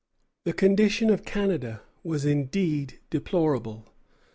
The condition of Canada was indeed deplorable.